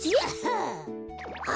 あ。